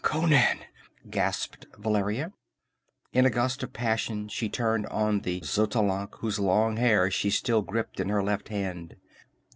"Conan!" gasped Valeria. In a gust of passion she turned on the Xotalanc whose long hair she still gripped in her left hand.